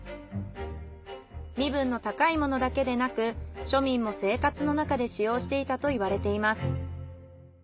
身分の高い者だけでなく庶民も生活の中で使用していたといわれています。